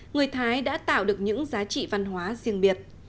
người thái đã tạo được những giá trị văn hóa riêng biệt